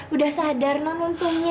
udah sadar nan untungnya